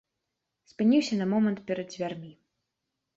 Спыніўся на момант перад дзвярмі.